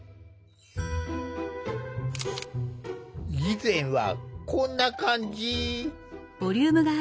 以前はこんな感じ。